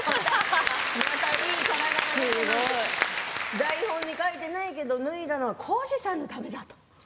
台本に書いていないけれど脱いだのは耕史さんのためだと。